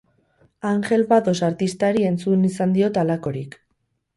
Angel Bados artistari entzun izan diot halakorik.